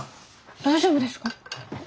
大丈夫ですか？